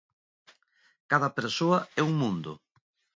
Cada persoa é un mundo.